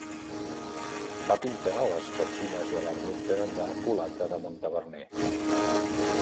Va pintar les petxines de l'ermita de Colata de Montaverner.